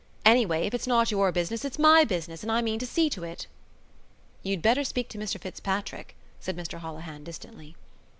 Anyway, if it's not your business it's my business and I mean to see to it." "You'd better speak to Mr Fitzpatrick," said Mr Holohan distantly.